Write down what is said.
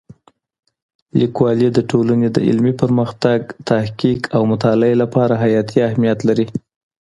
لیکوالی د ټولنې د علمي پرمختګ، تحقیق او مطالعې لپاره حیاتي اهمیت لري.